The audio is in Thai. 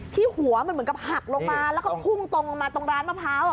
ที่หัวมันเหมือนกับหักลงมาแล้วก็พุ่งตรงมาตรงร้านมะพร้าว